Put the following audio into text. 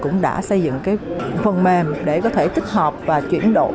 cũng đã xây dựng cái phần mềm để có thể tích hợp và chuyển đổi